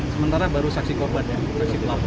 sementara baru saksi korban yang diselapun